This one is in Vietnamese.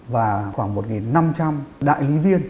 và khoảng một năm trăm linh đại lý viên